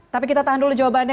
tapi kita tahan dulu jawabannya